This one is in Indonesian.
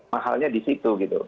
mahalnya di situ gitu